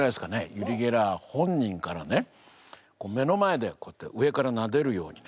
ユリ・ゲラー本人からね目の前で上からなでるようにね